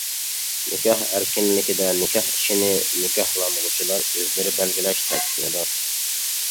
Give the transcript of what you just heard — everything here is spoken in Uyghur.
نىكاھ ئەركىنلىكىدە نىكاھ ئىشىنى نىكاھلانغۇچىلار ئۆزلىرى بەلگىلەش تەكىتلىنىدۇ.